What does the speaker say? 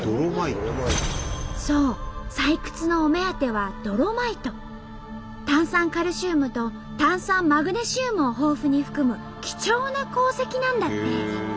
そう採掘のお目当ては炭酸カルシウムと炭酸マグネシウムを豊富に含む貴重な鉱石なんだって。